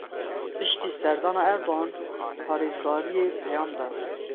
Piştî serdana Erdogan parêzgariyê peyam da.